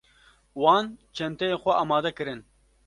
Wan çenteyê xwe amade kirin.